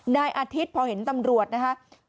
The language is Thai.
นายอาทิตย์พอเห็นตำรวจนะคะ